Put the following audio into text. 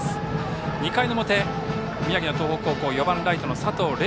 ２回の表、宮城の東北高校は４番ライト、佐藤玲